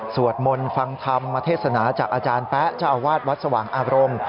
มนต์ฟังธรรมเทศนาจากอาจารย์แป๊ะเจ้าอาวาสวัดสว่างอารมณ์